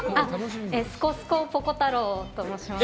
スコスコぽこ太郎と申します。